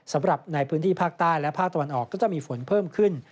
สำหรับในพื้นที่ภาคใต้และภาคตะวันออกก็จะมีฝนเพิ่มขึ้น